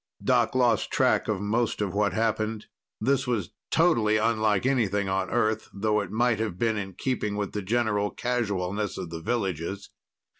Doc lost track of most of what happened. This was totally unlike anything on Earth, though it might have been in keeping with the general casualness of the villages.